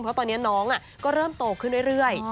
เพราะตอนนี้น้องก็เริ่มโตขึ้นเรื่อย